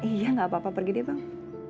iya nggak apa apa pergi deh bang